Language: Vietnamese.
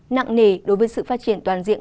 nặng nề đối với sự phát triển toàn diện